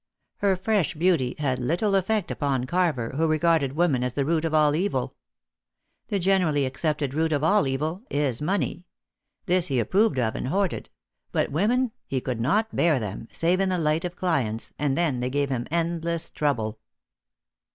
Her fresh beauty had little effect upon Carver, who regarded women as the root of all evil. The generally accepted root of all evil is money. This he approved of and hoarded; but women he could not bear them, save in the light of clients, and then they gave him endless trouble.